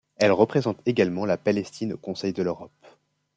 Elle représente également la Palestine au Conseil de l'Europe.